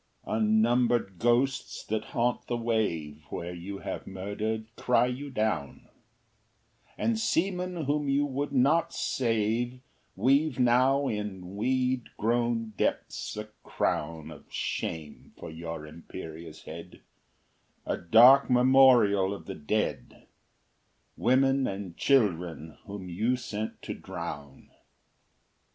II Unnumbered ghosts that haunt the wave, Where you have murdered, cry you down; And seamen whom you would not save, Weave now in weed grown depths a crown Of shame for your imperious head, A dark memorial of the dead, Women and children whom you sent to drown.